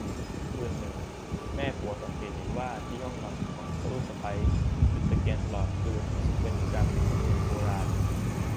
คืนหนึ่งแม่ผัวสังเกตเห็นว่าที่ห้องนอนของ ลูกสะใภ้จุดตะเกียงตลอดคืน ซึ่งเป็นการผิดธรรมเนียมโบราณ